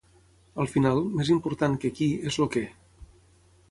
Al final, més important que “qui” és el “què”.